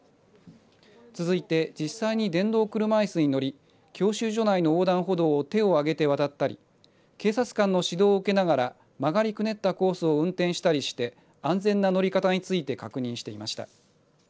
続いて実際に電動車いすに乗り教習所内の横断歩道を手を上げて渡ったり警察官の指導を受けながら曲がりくねったコースを運転したりして安全な乗り方について確認していました。